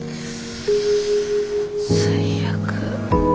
最悪。